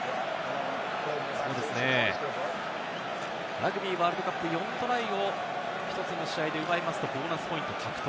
ラグビーワールドカップ、４トライを１つの試合で奪いますとボーナスポイント獲得。